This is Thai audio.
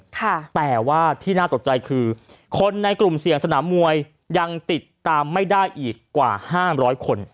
แต่ว่าที่น่าตกใจคือคนในกลุ่มเสี่ยงสนามมวยยังติดตามไม่ได้อีกกว่าห้ามร้อยคน